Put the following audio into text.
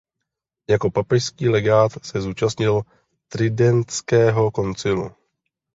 Jako papežský legát se zúčastnil Tridentského koncilu.